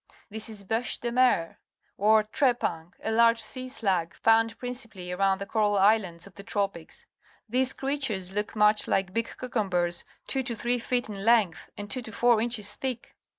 This is beche de mer, or trepang, a large se a slug found principally around the coral islands of the tropics. These creatures look much hke big cucum bers two to three feet in length and two to four inches thick.